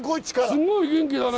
すごい元気だね。